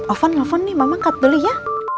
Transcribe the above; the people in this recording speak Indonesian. ovan ngelpon nih mama nge cut beli ya